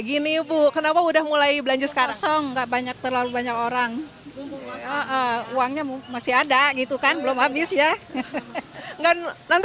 insya allah kalau ada kalau dapat